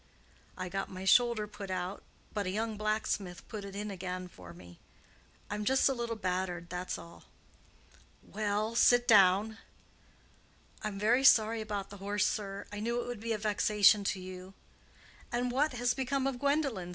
"I got my shoulder put out, but a young blacksmith put it in again for me. I'm just a little battered, that's all." "Well, sit down." "I'm very sorry about the horse, sir; I knew it would be a vexation to you." "And what has become of Gwendolen?"